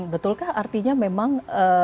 betulkah artinya memang